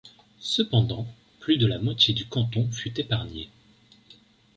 Cependant, plus de la moitié du canton fut épargnée.